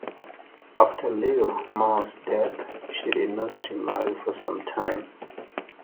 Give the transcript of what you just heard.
After Liu Mao's death, she did not remarry for some time.